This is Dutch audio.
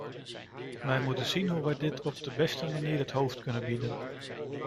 Wij moeten zien hoe wij dit op de beste manier het hoofd kunnen bieden.